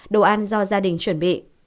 đồ ăn do gia đình chuẩn bị